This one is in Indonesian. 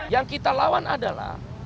yang kita lawan adalah